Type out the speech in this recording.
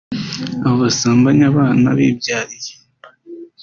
Abo basambanya abana bibyariye